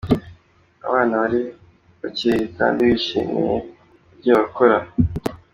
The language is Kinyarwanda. Abana bari bakeye kdi bishimiye ibyo bakora.